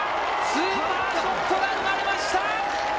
スーパーショットが生まれました！